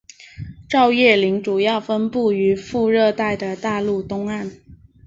照叶林主要分布于副热带的大陆东岸。